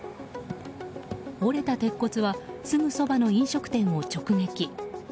折れた鉄骨はすぐそばの飲食店を直撃。